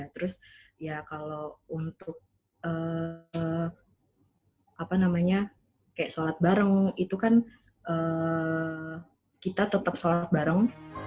terus ya kalau untuk apa namanya kayak sholat bareng itu kan kita tetap sholat bareng